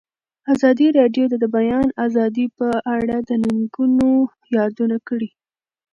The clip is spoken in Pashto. ازادي راډیو د د بیان آزادي په اړه د ننګونو یادونه کړې.